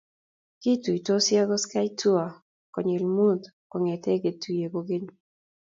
Kituitosi ago ski tour konyil Mut kongete ketunye kogeny